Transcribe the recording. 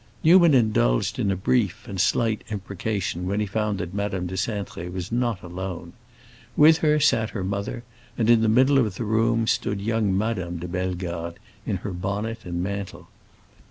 Newman indulged in a brief and silent imprecation when he found that Madame de Cintré was not alone. With her sat her mother, and in the middle of the room stood young Madame de Bellegarde, in her bonnet and mantle.